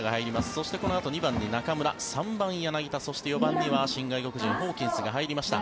そして、このあと２番に中村３番、柳田そして、４番には新外国人、ホーキンスが入りました。